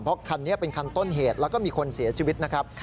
เพราะคันนี้เป็นคันต้นเหตุแล้วก็มีคนเสียชีวิตนะครับ